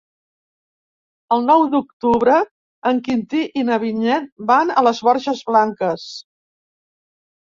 El nou d'octubre en Quintí i na Vinyet van a les Borges Blanques.